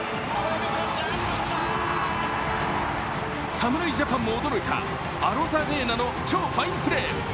侍ジャパンも驚いたアロザレーナの超ファインプレー。